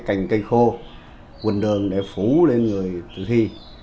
cái cành cây khô quần đường để phủ lên người tử thi